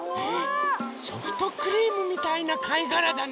ソフトクリームみたいなかいがらだね。